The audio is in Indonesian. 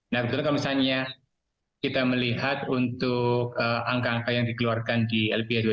nah misalnya kita melihat untuk angka angka yang dikeluarkan di lpa dua ribu dua puluh tiga